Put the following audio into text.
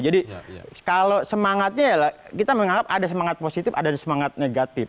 jadi kalau semangatnya ya lah kita menganggap ada semangat positif ada semangat negatif